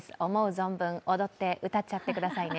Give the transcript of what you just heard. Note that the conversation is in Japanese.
存分、踊って、歌っちゃってくださいね。